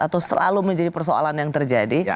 atau selalu menjadi persoalan yang terjadi